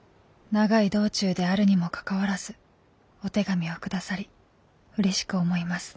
「長い道中であるにもかかわらずお手紙を下さりうれしく思います。